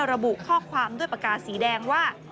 ระบุข้อความด้วยปากกาสีแดงว่า